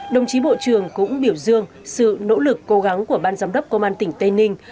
đồng chí bộ trưởng cũng biểu dương sự nỗ lực cố gắng của ban giám đốc công an tỉnh tây ninh